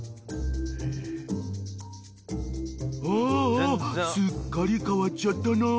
［ああすっかり変わっちゃったな］